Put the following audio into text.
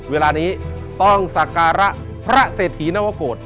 เวลานี้ต้องสักการะพระเศรษฐีนวโกรธ